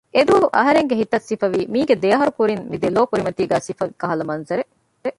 އެދުވަހު އަހަރެންގެ ހިތަށް ސިފަވީ މީގެ ދެ އަހަރު ކުރިން މި ދެލޯ ކުރިމަތީގައި ސިފަވި ކަހަލަ މަންޒަރެއް